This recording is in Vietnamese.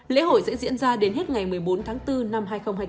lễ hội sẽ diễn ra đến hết ngày một mươi bốn tháng bốn năm hai nghìn hai mươi bốn